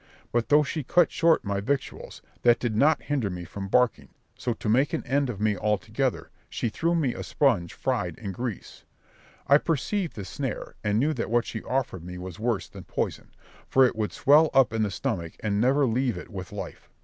But though she cut short my victuals, that did not hinder me from barking; so to make an end of me altogether, she threw me a sponge fried in grease. I perceived the snare, and knew that what she offered me was worse than poison, for it would swell up in the stomach, and never leave it with life.